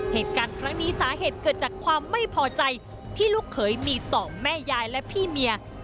เหตุการณ์ครั้งนี้สาเหตุเกิดจากความไม่พอใจที่ลูกเขยมีต่อแม่ยายและพี่เมีย